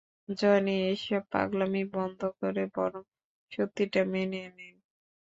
Johnny, এসব পাগলামি বন্ধ করে বরং সত্যিটা মেনে নিন।